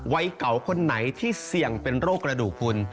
วัยเก่าคนไหนที่เสี่ยงเป็นโรคกระดูกคุณ